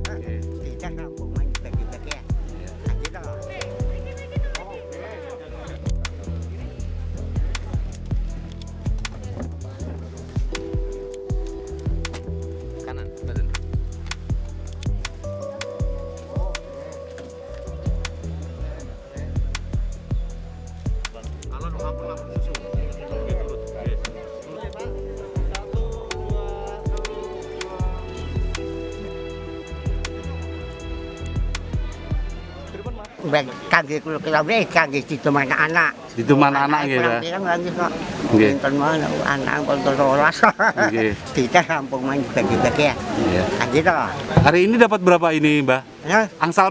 kami berdua kami berdua kita berdua kita berdua kita berdua